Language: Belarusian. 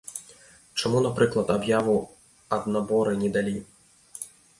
Чаму, напрыклад, аб'яву ад наборы не далі?